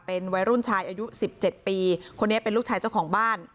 เป็นวัยรุ่นชายอายุ๑๗ปีคนนี้เป็นลูกชายเจ้าของบ้าน